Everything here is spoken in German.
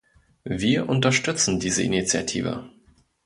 Wir unterstützen diese Initiative.